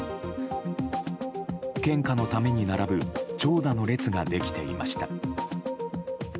献花のために並ぶ長蛇の列ができていました。